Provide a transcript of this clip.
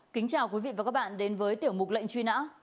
kính chào quý vị và các bạn đến với tiểu mục lệnh truy nã